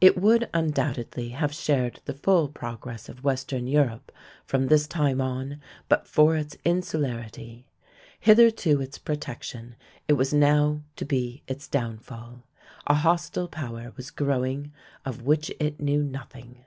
It would undoubtedly have shared the full progress of western Europe from this time on, but for its insularity. Hitherto its protection, it was now to be its downfall. A hostile power was growing of which it knew nothing.